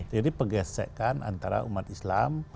jadi pegesekan antara umat islam